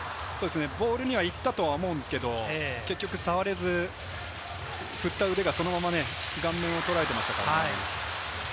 ボールに行ったと思うんですけれど、結局触れず、振った腕がそのまま顔面を捉えていましたからね。